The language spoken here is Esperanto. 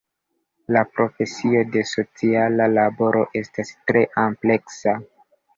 La profesio de sociala laboro estas tre ampleksa.